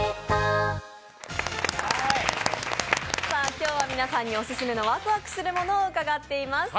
今日は皆さんにオススメのワクワクするものを伺っています。